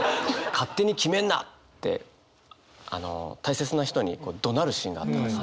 「勝手に決めんな！」ってあの大切な人にどなるシーンがあったんですね。